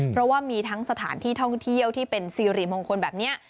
เพราะว่ามีทั้งสถานที่ท่องเที่ยวที่เป็นซีริมงคลแบบนี้